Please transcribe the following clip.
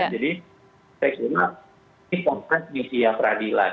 jadi saya kira ini konteks mafia peradilan